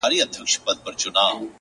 د ښايست و کوه قاف ته. د لفظونو کمی راغی.